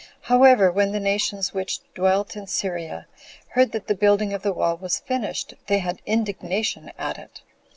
However, when the nations which dwelt in Syria heard that the building of the wall was finished, they had indignation at it.